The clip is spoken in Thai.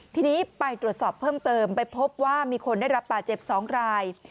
ทีนี้ไปตรวจสอบเพิ่มเติมไปพบว่ามีคนได้รับบาดเจ็บ๒ราย